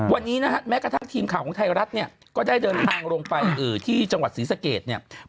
วันนี้นะครับแม้กระทั่งทีมข่าวของไทยรัฐก็ได้เดินทางลงไปที่จังหวัดสีศาเกียจ